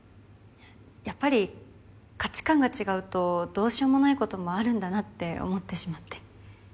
やっぱり価値観が違うとどうしようもないこともあるんだなって思ってしまって。